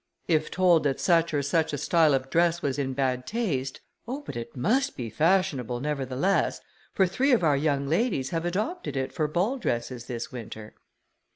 If told that such or such a style of dress was in bad taste, "Oh, but it must be fashionable, nevertheless, for three of our young ladies have adopted it for ball dresses this winter."